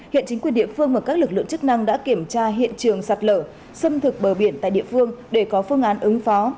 hiện chính quyền địa phương và các lực lượng chức năng đã kiểm tra hiện trường sạt lở xâm thực bờ biển tại địa phương để có phương án ứng phó